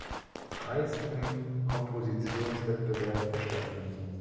Preis im Kompositionswettbewerb der Stadt Wien.